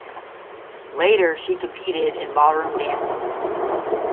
Later she competed in ballroom dancing.